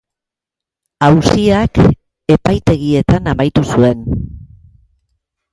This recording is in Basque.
Auziak epaitegietan amaitu zuen.